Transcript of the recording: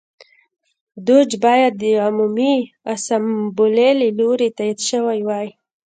دوج باید د عمومي اسامبلې له لوري تایید شوی وای.